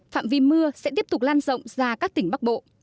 phạm vi mưa sẽ tiếp tục lan rộng ra các tỉnh bắc bộ